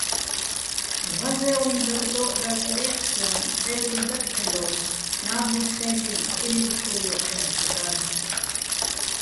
ღაზე́ჼ უ̂მ დაკდო́ჸდა ლეჸე́ჰ̦ სო́ჼ, წე́ლტი დაკჴელო́ს, ნაძვისხე́ნეხ წკირილწკურლი ჴე́ხკდარ.